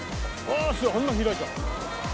あんな開いた。